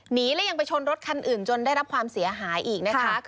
และยังไปชนรถคันอื่นจนได้รับความเสียหายอีกนะคะ